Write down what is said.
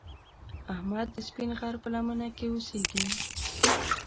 احمد د سپین غر په لمنه کې اوسږي.